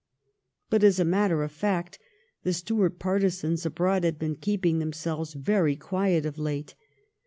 But as a matter of fact the Stuart partisans abroad had been keeping themselves very quiet of late.